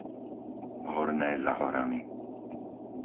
Horné Zahorany